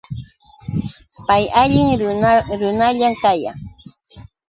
Pay alli runallam kayan.